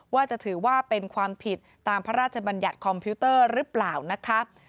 ว่าจะถือว่าเป็นความผิดตามพระราชบัญญัติคอมพิวเตอร์หรือเปล่านะคะ